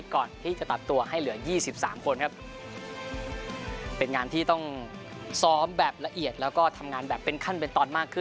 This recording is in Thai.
ก่อนที่จะตัดตัวให้เหลือยี่สิบสามคนครับเป็นงานที่ต้องซ้อมแบบละเอียดแล้วก็ทำงานแบบเป็นขั้นเป็นตอนมากขึ้น